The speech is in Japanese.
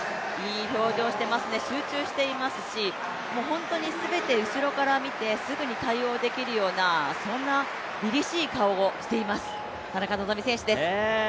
言い表情していますね、集中していますし、後ろから見てすぐに対応できるようなりりしい顔をしています、田中希実選手です。